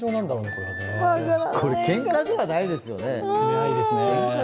これ、けんかじゃないですよね。